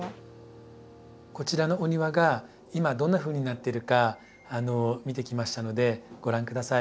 こちらのお庭が今どんなふうになってるか見てきましたのでご覧下さい。